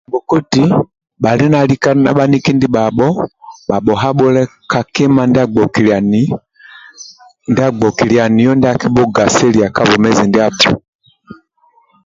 Bhabhokoti bhali na lika na bhaniki ndibhabho bhabhuhabhule ka kima ndia agbokiliani ndia agbokilianio ndia akibhugasilia ka bwomezi ndiabho